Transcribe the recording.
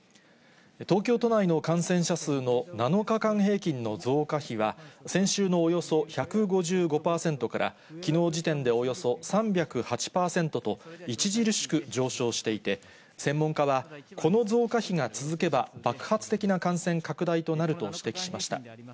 東京都内の感染者数の７日間平均の増加比は、先週のおよそ１５５％から、きのう時点でおよそ３０８％と、著しく上昇していて、専門家はこの増加比が続けば、爆発的な感染拡大となると指摘しました。